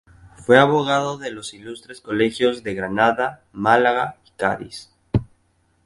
Fue Abogado de los ilustres colegios de Granada, Málaga y Cádiz.